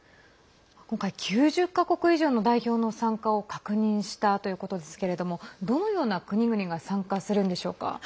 今回９０か国以上の代表の参加を確認したということですけれどもどのような国々が参加するのでしょうか。